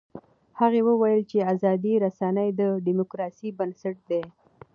هغه وویل چې ازادې رسنۍ د ډیموکراسۍ بنسټ دی.